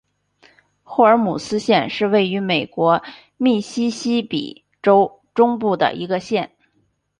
霍尔姆斯县是位于美国密西西比州中部的一个县。